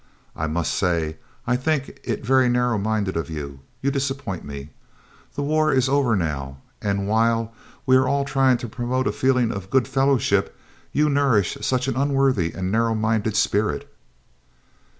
I must say I think it very narrow minded of you. You disappoint me. The war is over now, and while we are all trying to promote a feeling of good fellowship you nourish such an unworthy and narrow minded spirit."